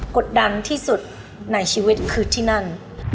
กดดันที่สุดในชีวิตคือที่นั่น